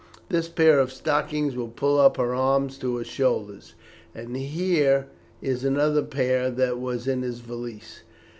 This pair of stockings will pull up her arms to her shoulders, and here is another pair that was in his valise.